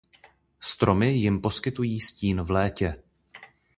Stromy jim poskytují stín v létě.